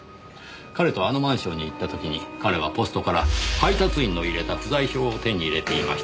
彼とあのマンションに行った時に彼はポストから配達員の入れた不在票を手に入れていました。